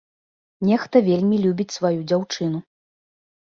Нехта вельмі любіць сваю дзяўчыну.